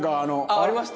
ありました？